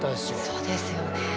そうですよね。